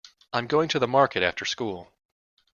I'm going to the market after school.